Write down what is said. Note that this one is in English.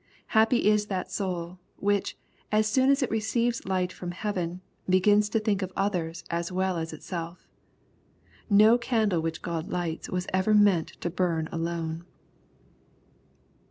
Happy is that soul, which, as soon as it receives light from heaven, begins to think of others as well as itself ! No candle which Qod lights was ever meant to bum alone.